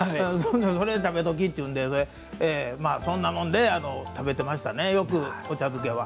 それ食べときっちゅうんでそんなもんで食べてましたね、よくお茶漬けは。